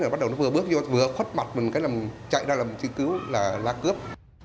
bắt đầu nó vừa bước vô vừa khuất mặt mình chạy ra làm trí cứu là la cướp